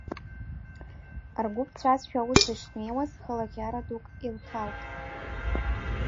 Ргәы ԥҵәазшәа, ус, ишнеиуаз, хылаӷьара дук илҭалт.